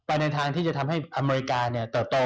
ในทางที่จะทำให้อเมริกาเติบโต